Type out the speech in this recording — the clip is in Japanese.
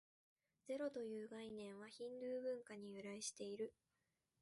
ゼロという概念は、ヒンドゥー文化に由来している。